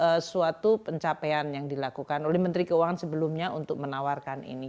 jadi saya rasa itu suatu pencapaian yang dilakukan oleh menteri keuangan sebelumnya untuk menawarkan ini